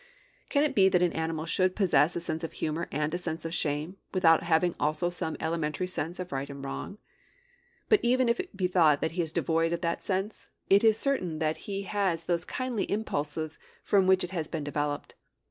Can it be that an animal should possess a sense of humor and a sense of shame, without having also some elementary sense of right and wrong? But even if it be thought that he is devoid of that sense, it is certain that he has those kindly impulses from which it has been developed.